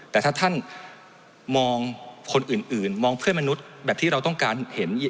แต่ถ้าท่านมองคนอื่นมองเพื่อนมนุษย์แบบที่เราต้องการเห็น